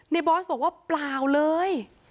บอสบอกว่าเปล่าเลย